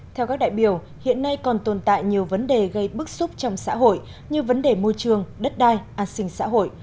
theo các đại biểu hiện nay còn tồn tại nhiều vấn đề gây bức xúc trong xã hội như vấn đề môi trường đất đai an sinh xã hội